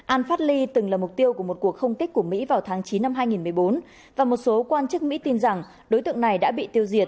al fali từng là mục tiêu của một cuộc không kích của mỹ vào tháng chín năm hai nghìn một mươi bốn và một số quan chức mỹ tin rằng đối tượng này đã bị tiêu diệt